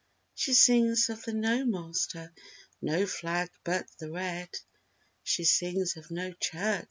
She sings of "No Master!" "No Flag but the Red!" She sings of "No Church!"